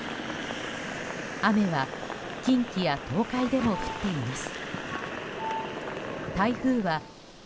雨は近畿や東海でも降っています。